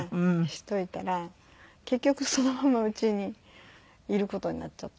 しといたら結局そのまま家にいる事になっちゃって。